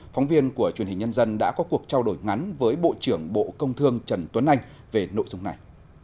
phóng viên của truyền hình nhân dân đã có cuộc trao đổi ngắn với bộ trưởng bộ công thương trần tuấn anh về nội dung này